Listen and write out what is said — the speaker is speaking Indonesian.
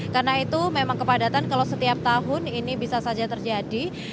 karena itu memang kepadatan kalau setiap tahun ini bisa saja terjadi